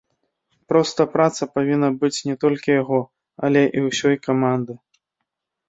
Проста праца павінна быць не толькі яго, але і ўсёй каманды.